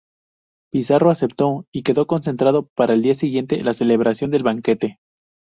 Pizarro aceptó y quedó concertado para el día siguiente la celebración del banquete.